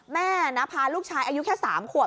แม่นภารกิจลูกชายอายุแค่๓ขวบ